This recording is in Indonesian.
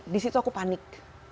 di situ aku panik